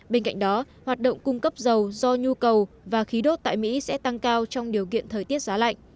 bên cạnh đó hoạt động cung cấp dầu do nhu cầu và khí đốt tại mỹ sẽ tăng cao trong điều kiện thời tiết giá lạnh